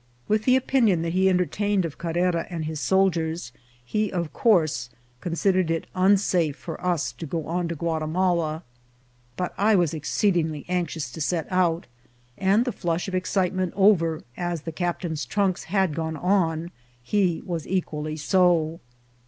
"With the opinion that he entertained of Carrera and his soldiers, he of course considered it unsafe for us to go on to Guatimala. But I was exceedingly anxious to set out ; and the flush of excitement over, as the cap tain's trunks had £one on, he was equally so.